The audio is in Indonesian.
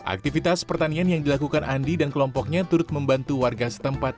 aktivitas pertanian yang dilakukan andi dan kelompoknya turut membantu warga setempat